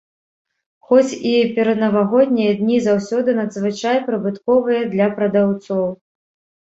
Хоць і пераднавагоднія дні заўсёды надзвычай прыбытковыя для прадаўцоў.